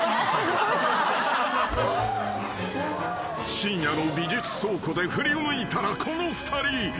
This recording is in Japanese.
［深夜の美術倉庫で振り向いたらこの２人］